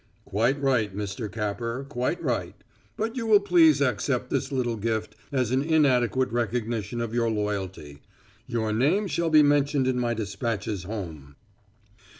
"Quite right, Mr. Capper; quite right. But you will please accept this little gift as an inadequate recognition of your loyalty. Your name shall be mentioned in my despatches home."